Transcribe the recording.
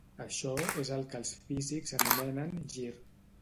Això és el que els físics anomenen "gir".